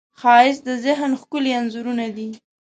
ښایست د ذهن ښکلي انځورونه دي